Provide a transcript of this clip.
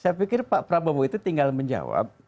saya pikir pak prabowo itu tinggal menjawab